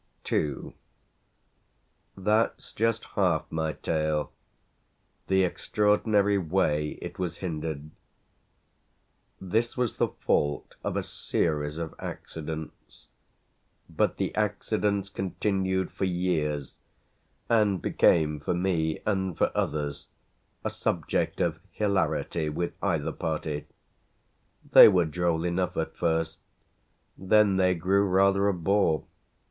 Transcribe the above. II That's just half my tale the extraordinary way it was hindered. This was the fault of a series of accidents; but the accidents continued for years and became, for me and for others, a subject of hilarity with either party. They were droll enough at first; then they grew rather a bore.